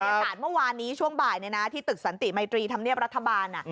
อากาศเมื่อวานนี้ช่วงบ่ายที่ตึกสันติมัยตรีธรรมเนียบรัฐบาล